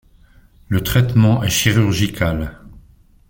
Le traitement est chirurgical.